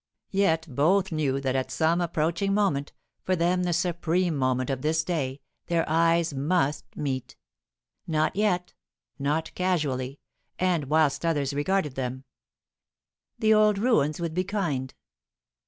Yet both knew that at some approaching moment, for them the supreme moment of this day, their eyes must meet. Not yet; not casually, and whilst others regarded them. The old ruins would be kind.